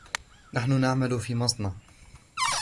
نعمل في مصنع.